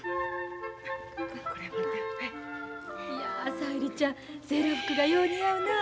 いや小百合ちゃんセーラー服がよう似合うなあ。